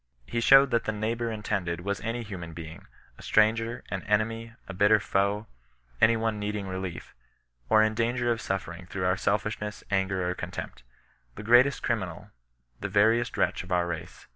He showed that the " neighbour'^ intended was any human being, a stranger, an enemy, a bitter foe — any one needing relief, or in danger of suffering through our selfishness, anger, or contempt — the greatest criminal, the veriest wretch of our race.